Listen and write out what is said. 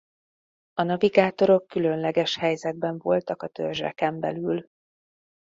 A navigátorok különleges helyzetben voltak a törzseken belül.